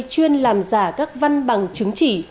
chuyên làm giả các văn bằng chứng chỉ